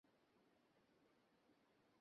JS তখন আমার সামনেই ছিল।